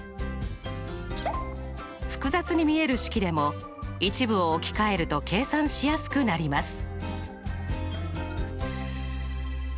複雑に見える式でも一部を置き換えると計算しやすくなります。